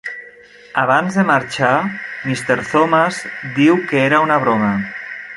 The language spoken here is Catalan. Abans de marxar, Mr. Thomas diu que era una broma.